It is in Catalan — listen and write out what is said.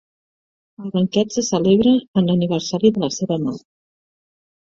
El banquet se celebra en l'aniversari de la seva mort.